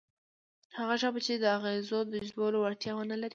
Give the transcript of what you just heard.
هغه ژبه چې د اغېزو د جذبولو وړتیا ونه لري،